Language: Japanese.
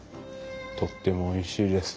とってもおいしいです。